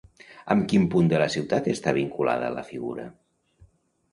Amb quin punt de la ciutat està vinculada, la figura?